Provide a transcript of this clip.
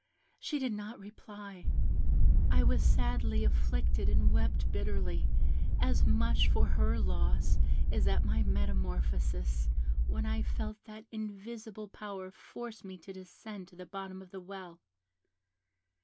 She did not reply. I was sadly afflicted and wept bitterly, as much for her loss as at my metamorphosis, when I felt that an invisible power forced me to descend to the bottom of the well.